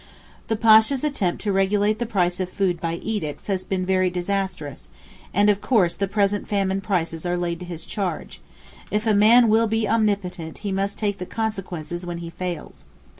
The Pasha's attempt to regulate the price of food by edicts has been very disastrous, and of course the present famine prices are laid to his charge—if a man will be omnipotent he must take the consequences when he fails.